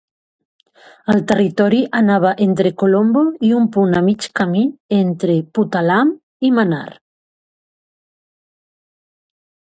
El territori anava entre Colombo i un punt a mig camí entre Puttalam i Mannar.